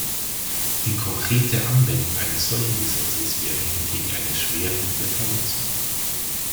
Die konkrete Anwendung eines solches Gesetzes wäre hingegen eine schwerwiegende Verletzung.